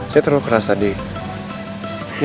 saya terlalu keras tadi